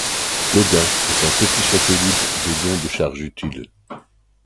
L'Odin est un petit satellite de dont de charge utile.